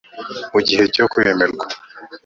mu gihe cyo kwemerwa